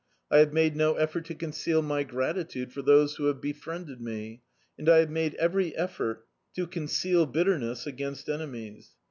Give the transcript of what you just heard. I have m^e no effort to conceal my gratitude for those who have befriended me, and I have made every effort to conceal bitterness against enemies.